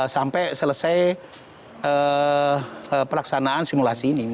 sampai selesai pelaksanaan simulasi ini